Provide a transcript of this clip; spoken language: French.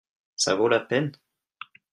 Ça vaut la peine ?